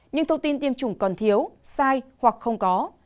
nhưng thông tin tiêm chủng còn thiếu sai hoặc không có